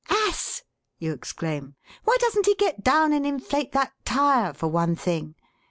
'Ass!' you exclaim. 'Why doesn't he get down and inflate that tyre, for one thing?